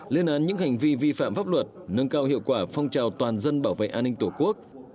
lên án những hành vi vi phạm pháp luật nâng cao hiệu quả phong trào toàn dân bảo vệ an ninh tổ quốc